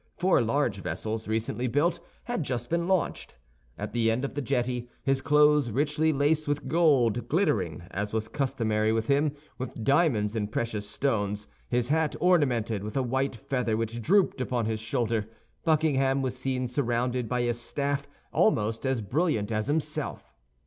Four large vessels, recently built, had just been launched. At the end of the jetty, his clothes richly laced with gold, glittering, as was customary with him, with diamonds and precious stones, his hat ornamented with a white feather which drooped upon his shoulder, Buckingham was seen surrounded by a staff almost as brilliant as himself.